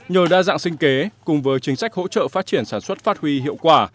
nhờ đa dạng sinh kế cùng với chính sách hỗ trợ phát triển sản xuất phát huy hiệu quả